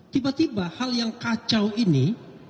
tiba tiba hal yang kacau ini